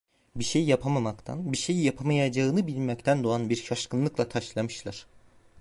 Bir şey yapamamaktan, bir şey yapamayacağını bilmekten doğan bir şaşkınlıkla taşlamışlar.